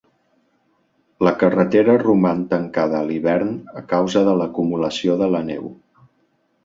La carretera roman tancada a l'hivern a causa de l'acumulació de la neu.